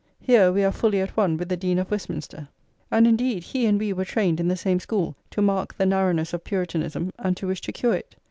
Here we are fully at one with the Dean of Westminster; and, indeed, he and we were trained in the same school to mark the narrowness of Puritanism, and to wish to cure it.